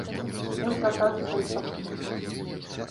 Ён звяртаўся па іх паслугі.